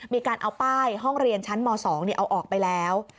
มีการเอาป้ายห้องเรียนชั้นม๒เอาออกไปแล้ว